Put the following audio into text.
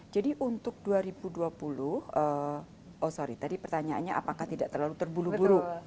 jadi untuk dua ribu dua puluh oh sorry tadi pertanyaannya apakah tidak terlalu terburu buru